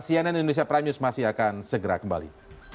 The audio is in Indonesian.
cnn indonesia prime news masih akan segera kembali